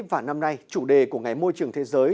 và năm nay chủ đề của ngày môi trường thế giới